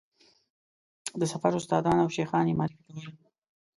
د سفر استادان او شیخان یې معرفي کول.